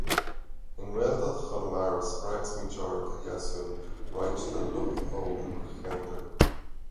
I nGaeltacht Chonamara, spreag smaointeoireacht Dheasún roinnt de lucht óg an cheantair.